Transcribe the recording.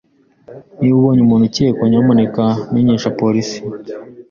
Niba ubonye umuntu ukekwa, nyamuneka menyesha abapolisi.